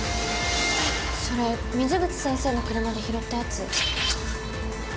それ水口先生の車で拾ったやつ。